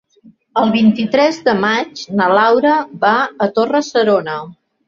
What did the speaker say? El vint-i-tres de maig na Laura va a Torre-serona.